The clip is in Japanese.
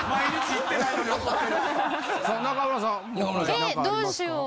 えどうしよう？